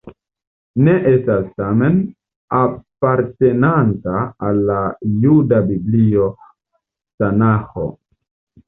Ne estas, tamen, apartenanta al la juda Biblio Tanaĥo.